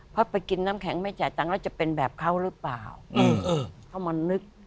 เพราะไปกินน้ำแข็งไม่จ่ายตังค์แล้วจะเป็นแบบเขาหรือเปล่าเขามานึก